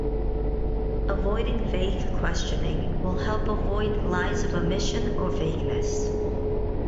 Avoiding vague questioning will help avoid lies of omission or vagueness.